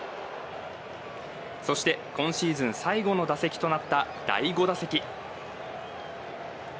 そして今シーズン最後の打席となった第５打席。